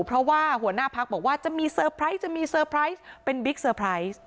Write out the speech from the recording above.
เพราะว่าหัวหน้าภักรดิ์บอกว่าจะมีสเตอร์ไพรส์เป็นสเตอร์ไพรส์